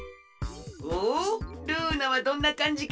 おっルーナはどんなかんじかの？